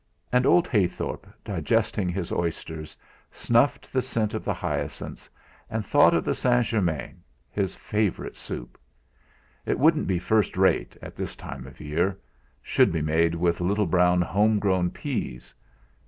And old Heythorp, digesting his osyters, snuffed the scent of the hyacinths, and thought of the St. Germain, his favourite soup. It would n't be first rate, at this time of year should be made with little young home grown peas.